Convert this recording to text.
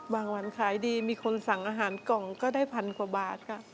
บางวันขายดีมีคนสั่งอาหารกล่องก็ได้๑๐๐๐กว่าบาทครับ